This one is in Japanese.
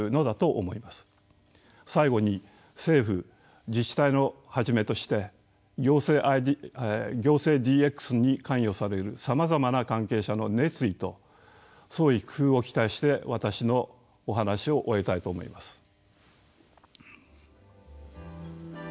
最後に政府自治体をはじめとして行政ＤＸに関与されるさまざまな関係者の熱意と創意工夫を期待して私のお話を終えたいと思います。